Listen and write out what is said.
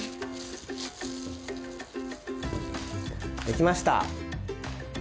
できました。